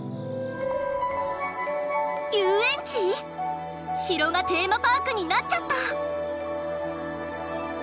遊園地⁉城がテーマパークになっちゃった！